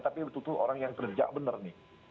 tapi butuh orang yang kerja benar nih